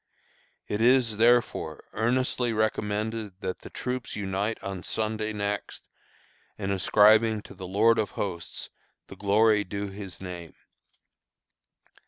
"It is, therefore, earnestly recommended that the troops unite on Sunday next in ascribing to the Lord of Hosts the glory due His name.